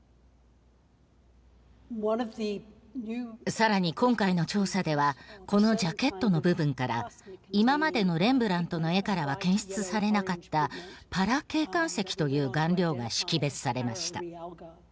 更に今回の調査ではこのジャケットの部分から今までのレンブラントの絵からは検出されなかったパラ鶏冠石という顔料が識別されました。